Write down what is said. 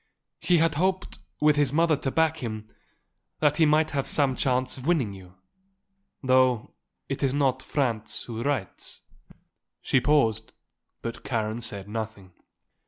He had hoped, with his mother to back him, that he might have some chance of winning you; though it is not Franz who writes." She paused; but Karen said nothing.